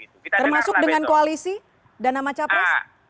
termasuk dengan koalisi dan nama capres